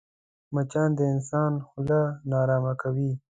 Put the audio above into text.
مچان د انسان خوله ناارامه کوي